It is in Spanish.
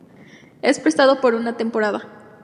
Es prestado por una temporada.